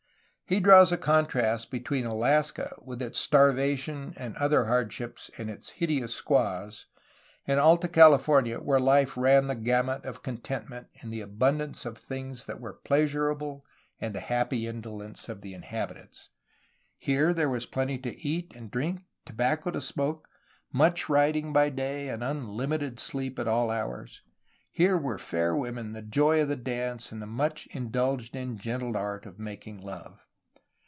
He draws a contrast between Alaska, with its starvation and other hardships and its hideous squaws, and Alta Cali fornia, where life ran the gamut of contentment in the abun dance of things that were pleasurable and the happy indolence of the inhabitants. Here there was plenty to eat and drink, tobacco to smoke, much riding by day, and un hmited sleep at all hours. Here were fair women, the joy of the dance, and the much indulged in gentle art of making love.